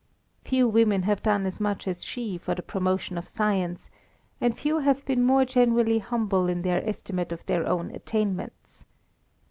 Few women have done as much as she for the promotion of science, and few have been more genuinely humble in their estimate of their own attainments.